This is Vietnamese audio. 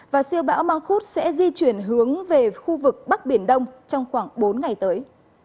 và siêu bão ma khuốt sẽ di chuyển hướng về khu vực bắc biển đông trong khoảng bốn ngày tới